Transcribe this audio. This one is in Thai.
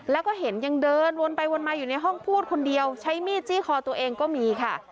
แล้วก็เห็นยังเดินวนไปวนมาอยู่ในห้องพูดคนเดียวใช้มีดจี้คอตัวเองก็มีค่ะ